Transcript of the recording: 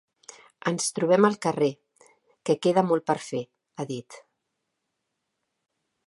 Ens trobem al carrer, que queda molt per fer, ha dit.